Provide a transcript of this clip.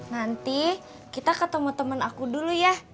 nanti kita ketemu teman aku dulu ya